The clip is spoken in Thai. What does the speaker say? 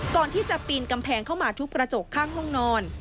ก่อนที่จะปีนกำแพงเข้ามาทุบกระจกข้างห้องนอน